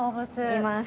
います。